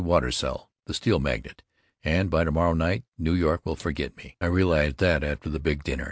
Watersell, the steel magnate, and by to morrow night NY will forget me. I realized that after the big dinner.